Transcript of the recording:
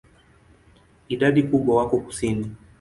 Idadi kubwa wako kusini.